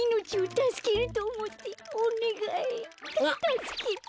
たたすけて。